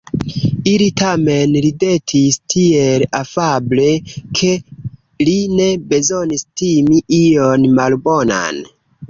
Ili tamen ridetis tiel afable, ke li ne bezonis timi ion malbonan.